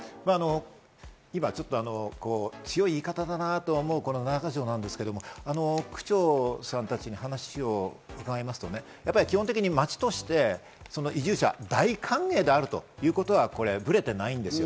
今、ちょっと強い言い方だなぁと思う七か条なんですが、区長さんたちに話を伺いますと、基本的に町として、移住者は大歓迎であるということはブレてないんですよ。